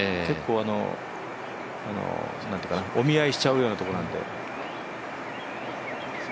結構、お見合いしちゃうようなところなので。